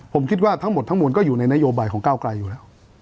ผมคิดว่าทั้งหมดทั้งมวลก็อยู่ในนโยบายของก้าวไกลอยู่แล้ว